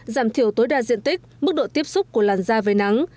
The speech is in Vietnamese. giảm thiểu tối đa diện tích mức độ tiếp xúc của làn da với nắng